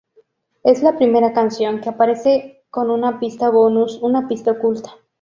Es la primera canción que aparece con una pista bonus; una pista oculta.